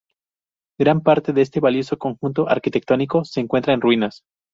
Gran parte de este valioso conjunto arquitectónico se encuentra en ruinas.